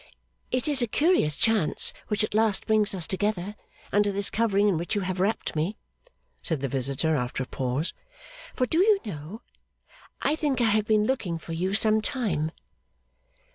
'It is a curious chance which at last brings us together, under this covering in which you have wrapped me,' said the visitor after a pause; 'for do you know, I think I have been looking for you some time.